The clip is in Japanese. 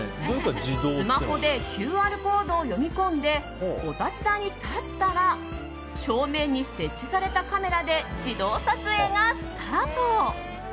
スマホでＱＲコードを読み込んでお立ち台に立ったら正面に設置されたカメラで自動撮影がスタート。